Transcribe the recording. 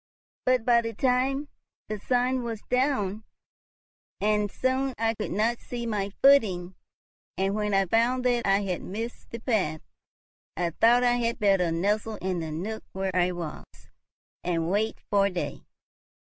But by that time the sun was down, and soon I could not see my footing; and, when I found that I had missed the path, I thought I had best nestle in the nook where I was, and wait for day.